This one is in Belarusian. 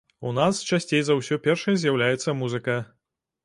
У нас часцей за ўсё першай з'яўляецца музыка.